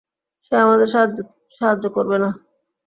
সে আমাদের সাহায্য করবে না।